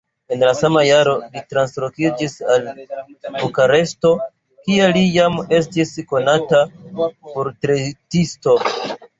En la sama jaro li translokiĝis al Bukareŝto, kie li jam estis konata portretisto.